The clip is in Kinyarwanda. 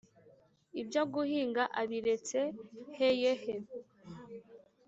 ibyo guhinga abiretse he ye he